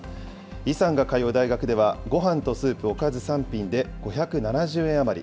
イさんが通う大学では、ごはんとスープ、おかず３品で５７０円余り。